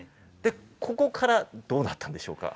ここからどうなったんでしょうか。